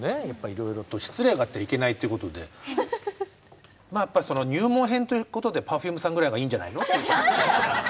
やっぱりいろいろと失礼があってはいけないということでまあやっぱりその入門編ということでＰｅｒｆｕｍｅさんぐらいがいいんじゃないのと。